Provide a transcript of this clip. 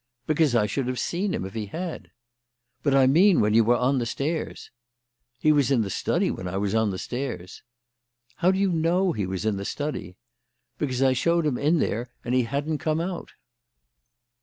"Because I should have seen him if he had." "But I mean when you were on the stairs." "He was in the study when I was on the stairs." "How do you know he was in the study?" "Because I showed him in there and he hadn't come out."